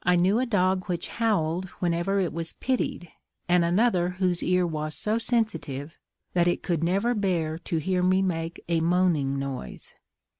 I knew a dog which howled whenever it was pitied, and another whose ear was so sensitive, that it could never bear to hear me make a moaning noise.